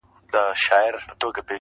جهاني چي پکښي ستایي مرکې د شمله ورو!